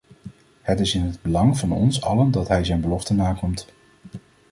Het is in het belang van ons allen dat hij zijn beloften nakomt.